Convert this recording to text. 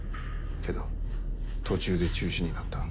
けど途中で中止になった。